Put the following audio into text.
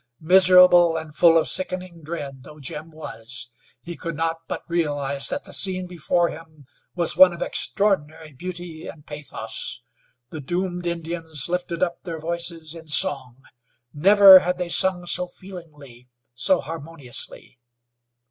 Miserable and full of sickening dread though Jim was, he could not but realize that the scene before him was one of extraordinary beauty and pathos. The doomed Indians lifted up their voices in song. Never had they sung so feelingly, so harmoniously.